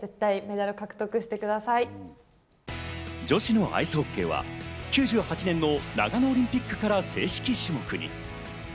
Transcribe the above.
女子のアイスホッケーは９８年の長野オリンピックから正式種目に。